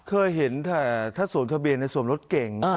เคยเห็นแต่ถ้าสวมทะเบียนในสวมรถเก่ง